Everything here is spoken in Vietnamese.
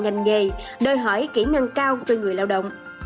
ngành nghề đòi hỏi kỹ năng cao từ người lao động